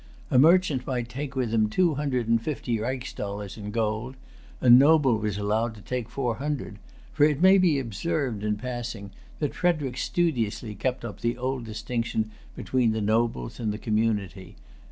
A merchant might take with him two hundred and fifty rix dollars in gold, a noble was allowed to take four hundred; for it may be observed, in passing, that Frederic studiously kept up the old distinction between the nobles and the community.